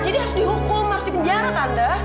jadi harus dihukum harus dipenjara tante